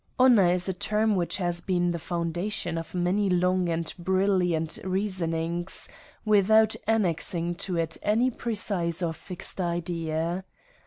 Ho nour is a term which has been the foundation of many long and brilliant reasonings, without annex ing to it any precise or fixed idea.